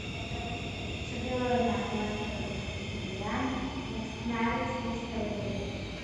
ჩრდილოეთ ნახევარსფეროს გამსვლელი ან მტკნარი წყლის თევზებია.